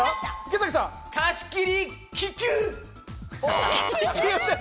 貸し切り気球！